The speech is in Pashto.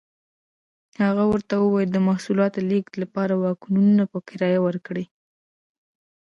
هغه ورته وویل د محصولاتو لېږد لپاره واګونونه په کرایه ورکړي.